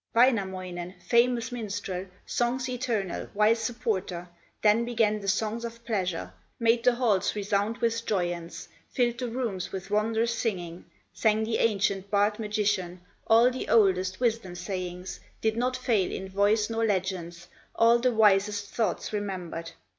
Wainamoinen, famous minstrel, Song's eternal, wise supporter, Then began the songs of pleasure, Made the halls resound with joyance, Filled the rooms with wondrous singing; Sang the ancient bard magician All the oldest wisdom sayings, Did not fail in voice nor legends, All the wisest thoughts remembered.